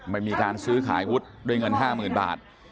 ไม่มีการซื้อขายวุฒิด้วยเงิน๕๐๐๐บาท